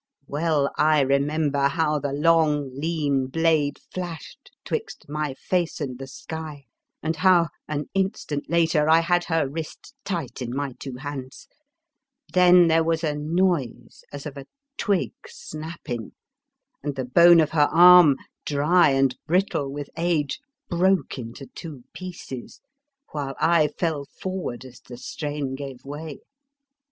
Well I remember how the long, lean blade flashed 'twixt my face and the sky, and how, an instant later, I had her wrist tight in my two hands ; then there was a noise as of a twig snap 84 The Fearsome Island ping, and the bone of her arm, dry and brittle with age, broke into two pieces, while I fell forward as the strain gave way.